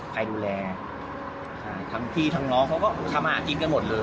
ใครดูแลที่น้องเขาก็ทำอาชินการหมดเลย